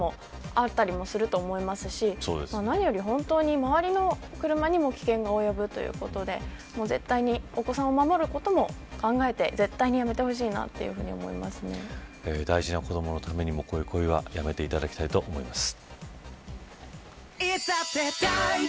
万が一のこともあったりもすると思いますし何より本当に、周りの車にも危険が及ぶということで絶対にお子さんを守ることも考えて絶対にやめてほしいな大事な子どものためにもこういう行為はやめていただきたいと思います。